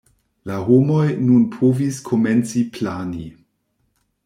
La homoj nun povis komenci plani.